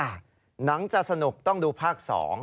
หนังจะสนุกต้องดูภาค๒